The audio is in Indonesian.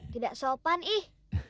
tidak sopan ih